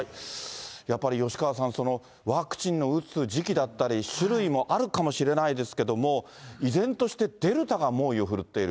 やっぱり吉川さん、ワクチンの打つ時期だったり、種類もあるかもしれないですけれども、依然として、デルタが猛威を振るっている。